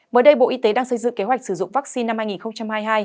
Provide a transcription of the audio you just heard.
mới đây bộ y tế đang xây dựng kế hoạch sử dụng vaccine năm hai nghìn hai mươi hai